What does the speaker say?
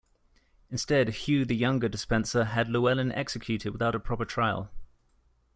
Instead Hugh the younger Despenser had Llewelyn executed without a proper trial.